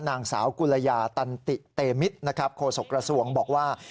นางสาวกุลยาตันติเตมิตรนะครับโฆษกระทรวงบอกว่า